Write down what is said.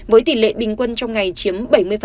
với tỷ lệ bình quân trong ngày chiếm bảy mươi